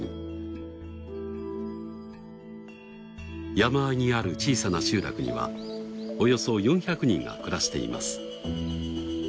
山あいにある小さな集落にはおよそ４００人が暮らしています。